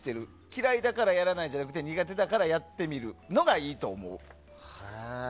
嫌いだからやらないじゃなくて苦手だからやってみるのがいいと思う。